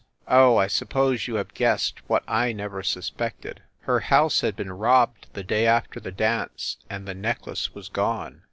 Oh, I suppose you have guessed what I never suspected. Her house had been robbed the day after the dance, and the necklace was gone.